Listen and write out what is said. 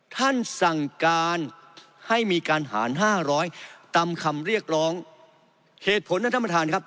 ท่านสั่งการให้มีการหารห้าร้อยตามคำเรียกร้องเหตุผลนั้นท่านประธานครับ